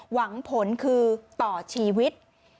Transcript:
หวังผลคือต่อชีวิต